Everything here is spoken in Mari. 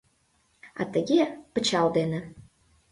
А тыге, пычал дене...